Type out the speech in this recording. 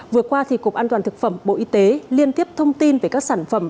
vừa qua cục an toàn thực phẩm bộ y tế liên tiếp thông tin về các sản phẩm